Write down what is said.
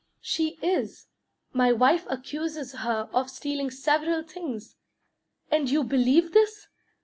"She is. My wife accuses her of stealing several things." "And you believe this?"